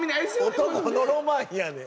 男のロマンやねん。